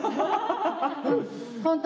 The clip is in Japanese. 本当。